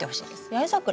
八重桜。